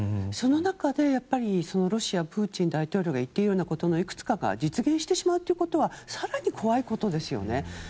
その中でロシアプーチン大統領が言っているようなことのいくつかが実現してしまうことが更に怖いことですよね。